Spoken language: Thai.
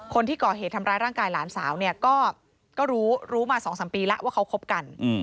คนที่ก่อเหตุทำร้ายร่างกายหลานสาวเนี่ยก็รู้รู้มา๒๓ปีแล้วว่าเขาคบกัน